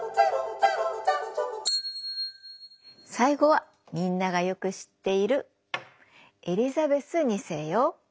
最後はみんながよく知っているエリザベス２世よ。